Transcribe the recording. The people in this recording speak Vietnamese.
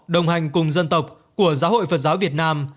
đồng hành cùng dân tộc của giáo hội phật giáo việt nam